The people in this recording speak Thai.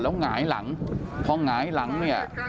แล้วหงายหลังเพราะหงายหลังเนี่ย